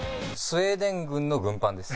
スウェーデン軍の軍パンです。